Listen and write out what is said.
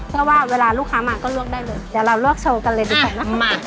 เพื่อว่าเวลาลูกค้ามาก็ลวกได้เลยเดี๋ยวเราลวกโชว์กันเลยดีกว่านะคะ